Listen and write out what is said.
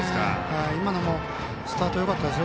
今のもスタートよかったですよ